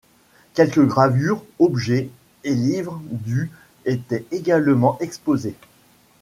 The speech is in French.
Quelques gravures, objets et livres du étaient également exposés.